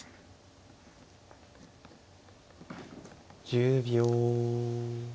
１０秒。